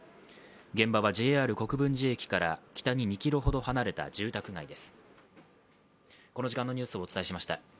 現場はＪＲ国分寺駅から北に２ｋｍほど離れた住宅街です。